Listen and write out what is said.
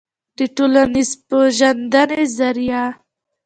دټولنپېژندې ظریه